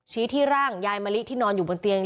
ที่ร่างยายมะลิที่นอนอยู่บนเตียง